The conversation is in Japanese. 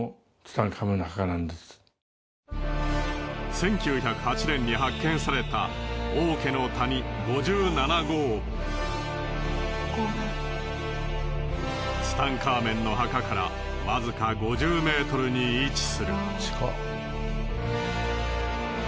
１９０８年に発見されたツタンカーメンの墓からわずか５０ｍに位置する。